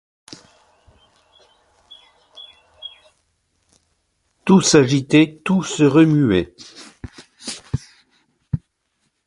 Tout s'agitait, tout se remuait.